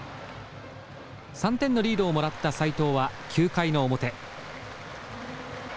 ３点のリードをもらった斎藤は９回の表。